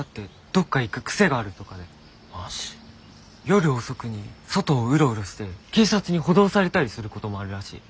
夜遅くに外をウロウロして警察に補導されたりすることもあるらしい。